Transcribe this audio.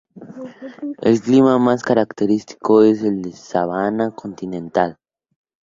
El clima más característico es el de sabana continental.